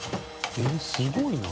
えっすごいな。